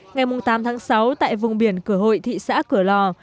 ngày tám sáu tại vùng biển cửa hội thị xã cửa loan